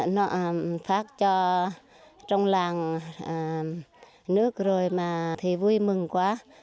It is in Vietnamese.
nó phát cho trong làng nước rồi mà thì vui mừng quá